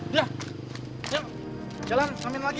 jalan jalan jalan ngamil lagi